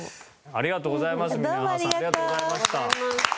ありがとうございます。